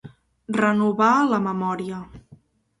Renovar la memòria.